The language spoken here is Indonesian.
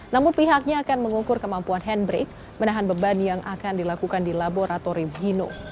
namun pihaknya akan mengukur kemampuan handbrake menahan beban yang akan dilakukan di laboratori hino